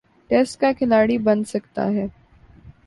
Test کا کھلاڑی بن سکتا ہے۔